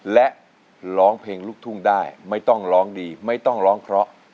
และร้องเพลงลูกทุ่งได้ไม่ต้องร้องดีไม่ต้องร้องเคราะห์